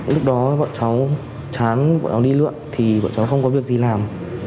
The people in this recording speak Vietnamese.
lúc đó bọn cháu chán bọn cháu đi lượn thì bọn cháu không có việc gì làm